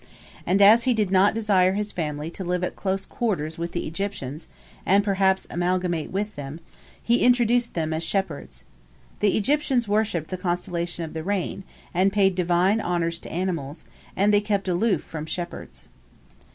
And as he did not desire his family to live at close quarters with the Egyptians and perhaps amalgamate with them, he introduced them as shepherds. The Egyptians worshipped the constellation of the rain, and paid divine honors to animals, and they kept aloof from shepherds.